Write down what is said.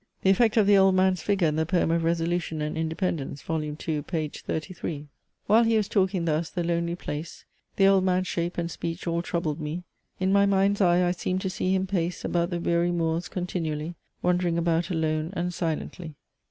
The effect of the old man's figure in the poem of RESOLUTION AND INDEPENDENCE, vol. II. page 33. "While he was talking thus, the lonely place, The Old Man's shape, and speech, all troubled me In my mind's eye I seemed to see him pace About the weary moors continually, Wandering about alone and silently."